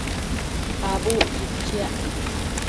Abucquid chiac